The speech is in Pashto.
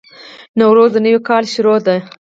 نوروز د نوي کال پیل دی.